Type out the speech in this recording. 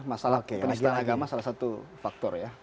masalah penistaan agama salah satu faktor ya